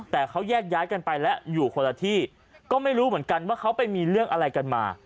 แต่เขาแยกย้ายกันไปและอยู่คนละที่ก็ไม่รู้เหมือนกันว่าเขาไปมีเรื่องอะไรกันมา